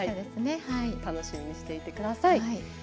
楽しみにしていてください。